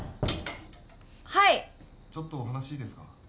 はいちょっとお話いいですか？